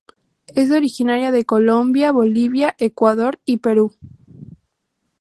Es originaria de Colombia, Bolivia, Ecuador y Perú.